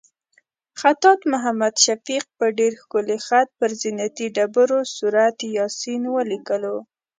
خطاط محمد شفیق په ډېر ښکلي خط پر زینتي ډبرو سورت یاسین ولیکلو.